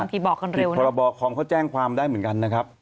เพราะว่าผิดพรบคอมเขาแจ้งความได้เหมือนกันนะครับ